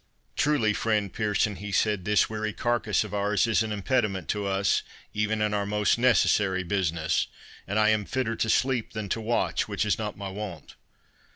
"Truly, friend Pearson," he said, "this weary carcass of ours is an impediment to us, even in our most necessary business, and I am fitter to sleep than to watch, which is not my wont.